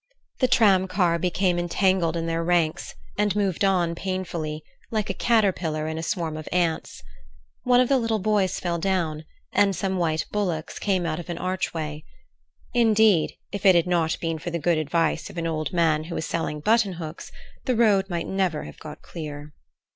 The tramcar became entangled in their ranks, and moved on painfully, like a caterpillar in a swarm of ants. One of the little boys fell down, and some white bullocks came out of an archway. Indeed, if it had not been for the good advice of an old man who was selling button hooks, the road might never have got clear.